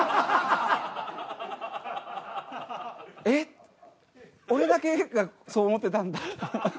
えっ俺だけがそう思ってたんだ。